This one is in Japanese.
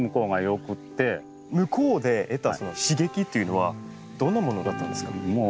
向こうで得た刺激っていうのはどんなものだったんですか？